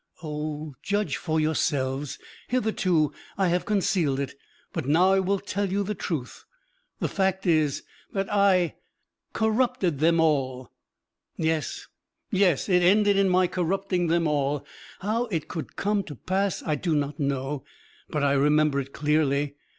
Oh, judge for yourselves: hitherto I have concealed it, but now I will tell the truth. The fact is that I ... corrupted them all! V Yes, yes, it ended in my corrupting them all! How it could come to pass I do not know, but I remember it clearly.